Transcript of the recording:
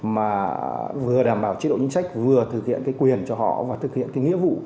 mà vừa đảm bảo chế độ chính trách vừa thực hiện quyền cho họ và thực hiện nghĩa vụ